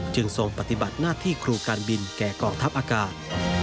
ทรงปฏิบัติหน้าที่ครูการบินแก่กองทัพอากาศ